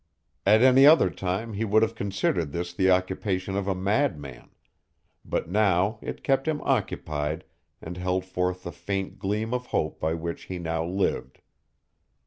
At any other time he would have considered this the occupation of a madman, but now it kept him occupied and held forth the faint gleam of hope by which he now lived.